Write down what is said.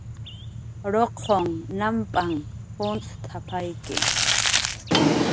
"Ruquq namp'anh juncx't""apayki"